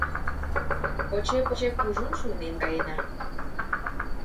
Поче-поче кужун шуйнен каена..